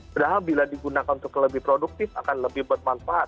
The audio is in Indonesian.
padahal bila digunakan untuk lebih produktif akan lebih bermanfaat